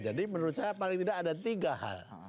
jadi menurut saya paling tidak ada tiga hal